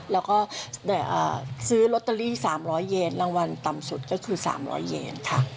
แล้วก็ซื้อลอตเตอรี่๓๐๐เยนรางวัลต่ำสุดก็คือ๓๐๐เยนค่ะ